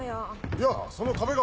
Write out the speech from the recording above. いやその壁が。